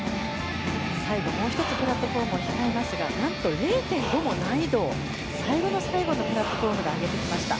最後、もう１つプラットフォームを控えますが何と０．５も難易度を最後の最後プラットフォームで上げてきました。